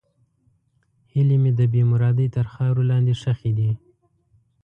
هیلې مې د بېمرادۍ تر خاورو لاندې ښخې دي.